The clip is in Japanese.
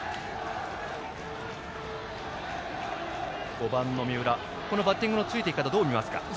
５番の三浦バッティングのついていき方どう見ますか？